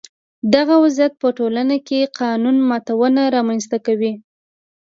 دغه وضعیت په ټولنه کې قانون ماتونه رامنځته کوي.